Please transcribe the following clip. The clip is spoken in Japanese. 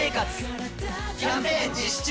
キャンペーン実施中！